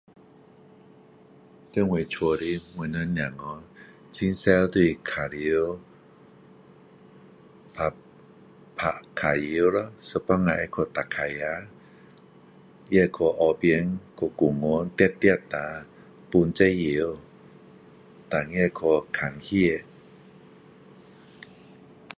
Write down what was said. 在我家的我们孩子很常就是玩 [unintelligible] 打足球咯，一半下会去踏脚车，也会去河边，去公园跑跑啦，放风筝，但也会去看戏。